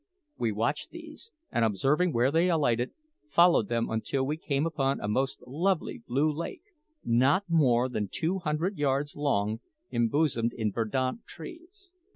We watched these, and observing where they alighted, followed them up until we came upon a most lovely blue lake, not more than two hundred yards long, embosomed in verdant trees.